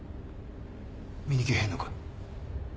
見に来ぃへんのか？